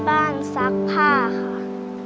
หัวบ้านซักผ้าค่ะ